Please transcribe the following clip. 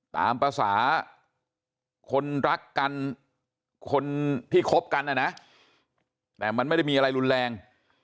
ตามภาษาคนรักกันคนที่คบกันนะนะแต่มันไม่ได้มีอะไรรุนแรง